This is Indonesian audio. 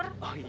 jelas aku mau